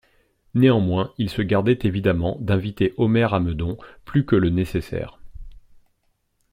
Néanmoins il se gardait évidemment d'inviter Omer à Meudon plus que le nécessaire.